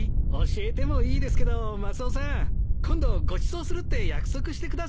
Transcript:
教えてもいいですけどマスオさん今度ごちそうするって約束してくださいよ。